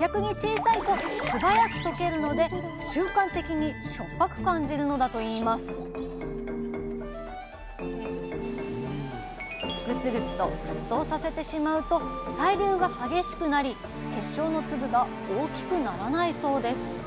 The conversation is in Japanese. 逆に小さいとすばやく溶けるので瞬間的にしょっぱく感じるのだといいますグツグツと沸騰させてしまうと対流が激しくなり結晶の粒が大きくならないそうです